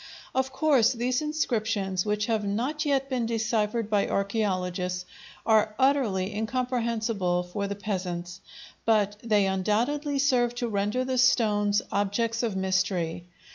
Of course these inscriptions, which have not yet been deciphered by archæologists, are utterly incomprehensible for the peasants, but they undoubtedly serve to render the stones objects of mystery.